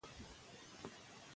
ښوونځی د علم ډېوه ده.